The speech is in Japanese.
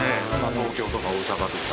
東京とか大阪とか。